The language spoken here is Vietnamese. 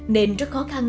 nên rất khó khăn